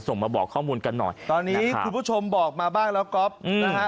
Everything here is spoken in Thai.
มาบอกข้อมูลกันหน่อยตอนนี้คุณผู้ชมบอกมาบ้างแล้วก๊อฟนะฮะ